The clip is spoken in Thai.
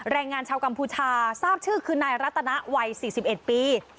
แรงงานชาวกัมพูชาทราบชื่อคือนายรัตนาวัย๔๑ปี